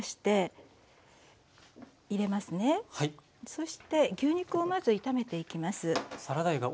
そして牛肉をまず炒めていきます。